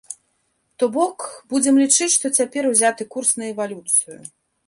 То бок будзем лічыць, што цяпер узяты курс на эвалюцыю.